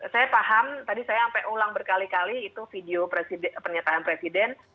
saya paham tadi saya sampai ulang berkali kali itu video pernyataan presiden